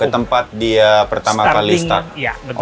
ketempat dia pertama kali start